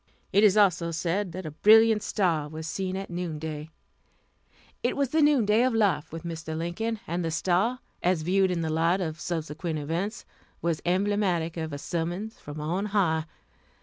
It is also said that a brilliant star was seen at noon day. It was the noon day of life with Mr. Lincoln, and the star, as viewed in the light of subsequent events, was emblematic of a summons from on high.